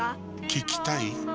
聞きたい？